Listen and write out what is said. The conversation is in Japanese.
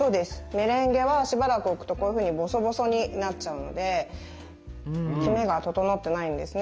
メレンゲはしばらく置くとこういうふうにボソボソになっちゃうのできめが整ってないんですね。